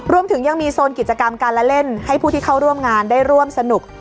รวมถึงยังมีโซนกิจกรรมการละเล่นให้ผู้ที่เข้าร่วมงานได้ร่วมสนุก